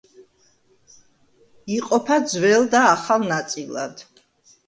იყოფა ძველ და ახალ ნაწილად.